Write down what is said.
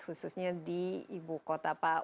khususnya di ibu kota pak